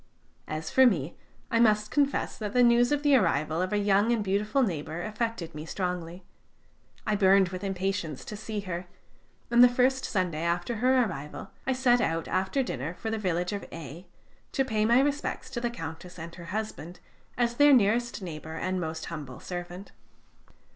As for me, I must confess that the news of the arrival of a young and beautiful neighbor affected me strongly. I burned with impatience to see her, and the first Sunday after her arrival I set out after dinner for the village of A , to pay my respects to the Countess and her husband, as their nearest neighbor and most humble servant.